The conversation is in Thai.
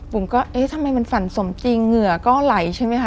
ผมก็เอ๊ะทำไมมันฝันสมจริงเหงื่อก็ไหลใช่ไหมคะ